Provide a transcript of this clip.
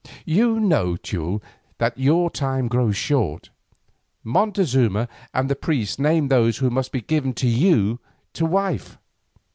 You know, Teule, that your time grows short. Montezuma and the priests name those who must be given to you to wife."